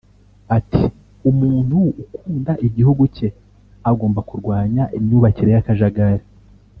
Ati “Umuntu ukunda igihugu cye agomba kurwanya imyubakire y’akajagari